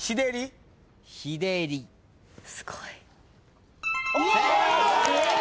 すごい。正解。